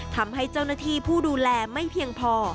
ทำให้เจ้าหน้าที่ผู้ดูแลไม่เพียงพอ